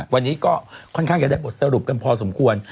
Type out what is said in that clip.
วันนี้ก็ค่อนข้างจะได้บทสรุปกันพอสมควร